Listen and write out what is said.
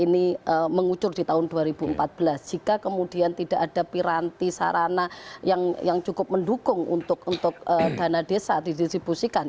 ini mengucur di tahun dua ribu empat belas jika kemudian tidak ada piranti sarana yang cukup mendukung untuk dana desa didistribusikan